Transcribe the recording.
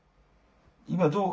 今どう？